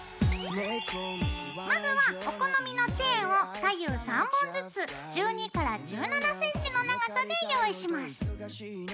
まずはお好みのチェーンを左右３本ずつ１２１７ｃｍの長さで用意します。